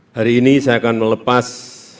hari ini saya akan melepas